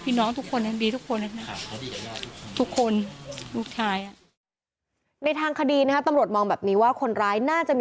พี่น้องทุกคนนั้นดีทุกคน